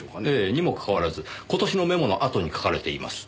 にもかかわらず今年のメモのあとに書かれています。